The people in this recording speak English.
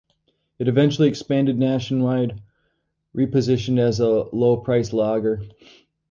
It eventually expanded nationwide, repositioned as a low-price lager.